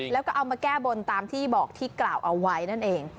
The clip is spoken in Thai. แล้วก็เอามาแก้บนตามที่บอกที่กล่าวเอาไว้นั่นเอง